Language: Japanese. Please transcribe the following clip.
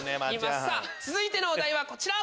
続いてのお題はこちら！